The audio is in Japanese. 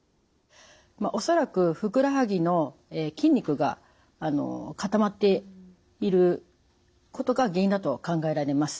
恐らくふくらはぎの筋肉が固まっていることが原因だと考えられます。